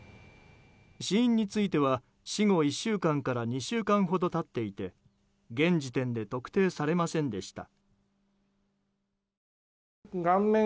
死因については死後１週間から２週間ほど経っていて現時点で特定されませんでした。